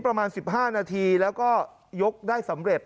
ประมาณ๑๕นาทีแล้วก็ยกได้สำเร็จ